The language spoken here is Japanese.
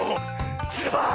ズバーン！